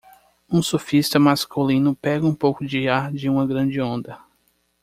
Um surfista masculino pega um pouco de ar de uma grande onda.